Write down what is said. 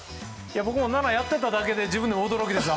僕も７をやっていただけで自分でも驚きです。